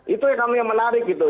itu yang kami yang menarik gitu